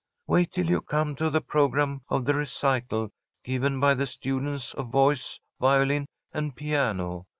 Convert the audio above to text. "Wait till you come to the programme of the recital given by the students of voice, violin, and piano.